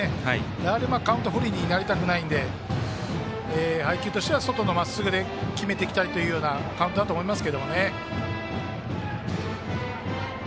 やはり、カウント不利になりたくないので配球としては外のまっすぐで決めてきたいというようなカウントだと思います。